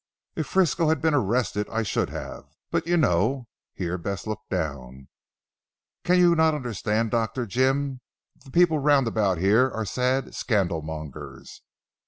"If Frisco had been arrested I should have. But you know," here Bess looked down, "can you not understand Dr. Jim? The people round about here are sad scandalmongers.